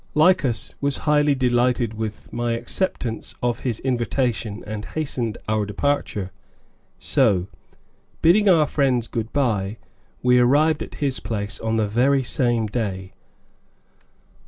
Lycas was highly delighted with my acceptance of his invitation and hastened our departure, so, bidding our friends good bye, we arrived at his place on the very same day.